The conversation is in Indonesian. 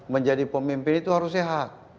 menjadi pemimpin itu harus sehat